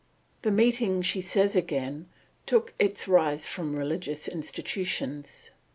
The meeting," she says again, "took its rise from religious institutions.